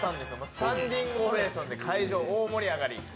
スタンディングオベーションで会場大盛り上がり。